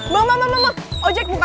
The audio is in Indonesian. mau mau mau ojek bukan